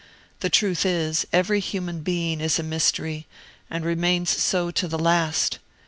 The truth is, every human being is a mystery, and remains so to the last.